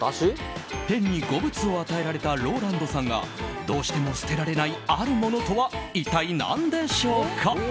天に五物を与えらえたＲＯＬＡＮＤさんがどうしても捨てられないあるものとは一体なんでしょうか？